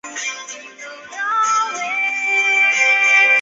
份田制是傣族地区历史上封建领主制社会的土地所有制形态。